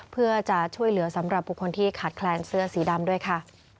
เพื่อจะช่วยเหลือสำหรับบุคคลที่ขาดแคลนเสื้อสีดำด้วยค่ะ